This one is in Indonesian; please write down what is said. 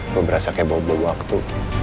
gue berasa kayak bawa waktu